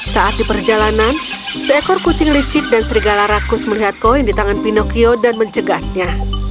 saat di perjalanan seekor kucing licik dan serigala rakus melihat koin di tangan pinocchio dan mencegatnya